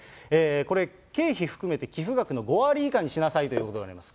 これ、経費含めて寄付額の５割以下にしなさいということです。